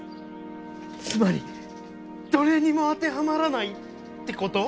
つまりどれにも当てはまらないってこと？